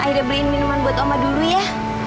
akhirnya beliin minuman buat oma dulu ya